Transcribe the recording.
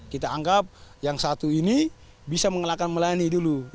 kita anggap yang satu ini bisa mengalahkan melayani dulu